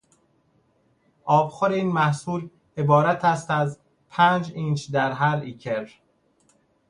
آبخور این محصول عبارتست از پنج اینچ در هر ایکر